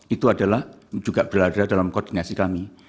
itu adalah juga berada dalam koordinasi kami